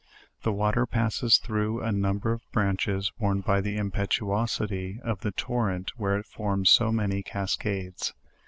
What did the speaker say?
The water passes through a number of branches worn by the impetuosity of the torrent where it forms so many cascades.